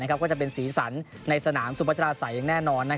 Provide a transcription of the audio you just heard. ก็จะเป็นสีสันในสนามสุพัชราศัยอย่างแน่นอน